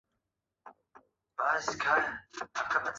该岛屿是一个无人岛。